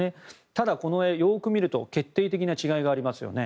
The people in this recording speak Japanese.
ただこの絵、よく見ると決定的な違いがありますよね。